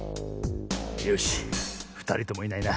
よしふたりともいないな。